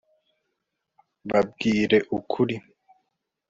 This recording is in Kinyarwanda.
babwire ukuri